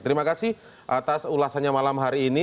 terima kasih atas ulasannya malam hari ini